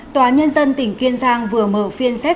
tòa nhân dân tỉnh kiên giang vừa mở phiên xét